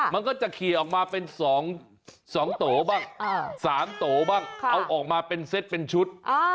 มันก็จะขี่ออกมาเป็น๒โตบ้าง๓โตบ้างเอาออกมาเป็นเซ็ตเป็นชุด